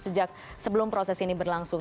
sejak sebelum proses ini berlangsung